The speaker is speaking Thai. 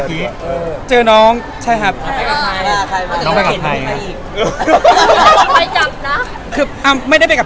พี่เห็นไอ้เทรดเลิศเราทำไมวะไม่ลืมแล้ว